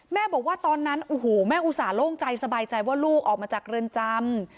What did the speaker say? บอกว่าตอนนั้นโอ้โหแม่อุตส่าหลงใจสบายใจว่าลูกออกมาจากเรือนจำ